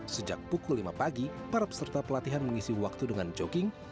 sejak pukul lima pagi para peserta pelatihan mengisi waktu dengan jogging